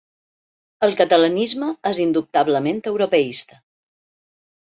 El catalanisme és indubtablement europeista.